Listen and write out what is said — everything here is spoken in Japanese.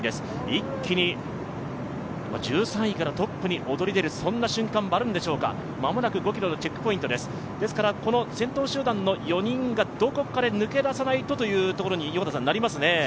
一気に１３位からトップに躍り出る、そんな瞬間もあるんでしょうか、間もなく５ｋｍのチェックポイントですですからこの先頭集団の４人がどこかで抜け出さないとというところになりますね。